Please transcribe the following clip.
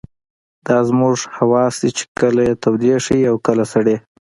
دا زموږ حواس دي چې کله يې تودې ښيي او کله سړې.